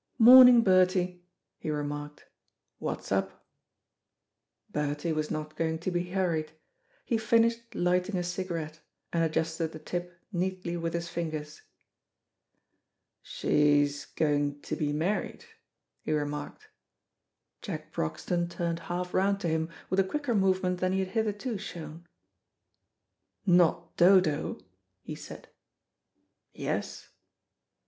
"Morning, Bertie," he remarked; "what's up?" Bertie was not going to be hurried. He finished lighting a cigarette, and adjusted the tip neatly with his fingers. "She's going to be married," he remarked. Jack Broxton turned half round to him with a quicker movement than he had hitherto shown. "Not Dodo?" he said. "Yes."